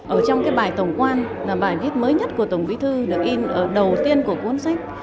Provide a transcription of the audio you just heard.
ở trong cái bài tổng quan là bài viết mới nhất của tổng bí thư được in ở đầu tiên của cuốn sách